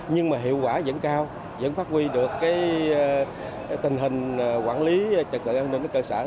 nhưng mà hiệu quả vẫn cao vẫn phát huy được tình hình quản lý trật tự an ninh ở cơ sở